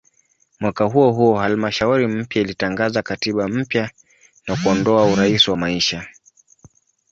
Mwaka huohuo halmashauri mpya ilitangaza katiba mpya na kuondoa "urais wa maisha".